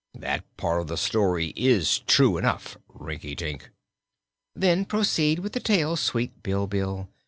That part of the story is true enough, Rinkitink." "Then proceed with the tale, sweet Bilbil.